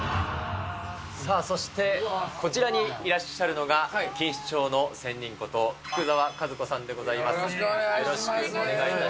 さあそして、こちらにいらっしゃるのが錦糸町の仙人こと、福澤和子さんでござよろしくお願いします。